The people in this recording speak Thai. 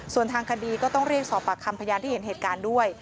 ส่วนทางคดีก็ต้องเรียกสอบปากคำพยานที่เห็นเหตุการณ์ด้วย